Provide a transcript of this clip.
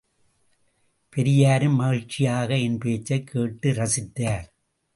பெரியாரும் மகிழ்ச்சியாக என் பேச்சைக் கேட்டு ரசித்தார்.